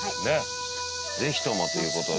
ぜひともという事で。